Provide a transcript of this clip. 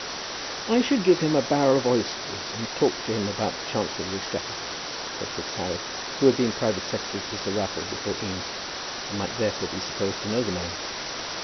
"I should give him a barrel of oysters, and talk to him about the Chancellor of the Exchequer," said FitzHoward, who had been private secretary to Sir Raffle before Eames, and might therefore be supposed to know the man.